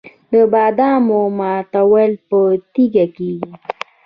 د بادامو ماتول په تیږه کیږي.